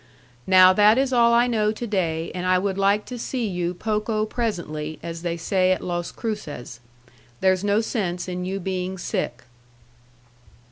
Now that is all I know to day and I would like to see you poco presently as they say at Los Cruces. There's no sense in you being sick."